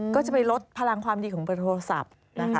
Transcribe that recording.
ก็จะไปลดพลังความดีของเบอร์โทรศัพท์นะคะ